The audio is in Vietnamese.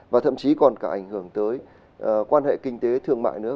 và thậm chí còn cả ảnh hưởng tới quan hệ kinh tế thương mại nữa